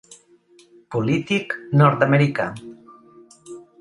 Polític nord-americà.